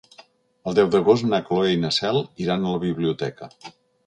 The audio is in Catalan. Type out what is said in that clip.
El deu d'agost na Cloè i na Cel iran a la biblioteca.